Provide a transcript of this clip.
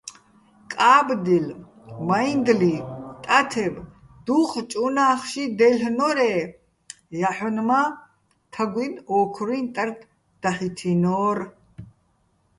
კა́ბდილ, მაჲნდლი, ტათებ - დუჴჭ უ̂ნა́ხში დაჲლ'ნორ-ე́ ჲაჰ̦ონ მა́ თაგუჲნი̆ ო́ქრუჲჼ ტარდ დაჰ̦ითინო́რ.